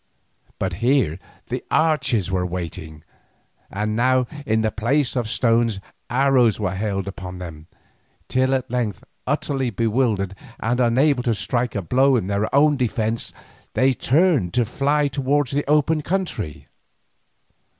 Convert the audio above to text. But here the archers were waiting, and now, in the place of stones, arrows were hailed upon them, till at length, utterly bewildered and unable to strike a blow in their own defence, they turned to fly towards the open country.